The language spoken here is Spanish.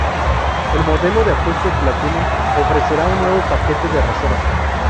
El modelo de ajuste Platinum ofrecerá un nuevo paquete de reserva.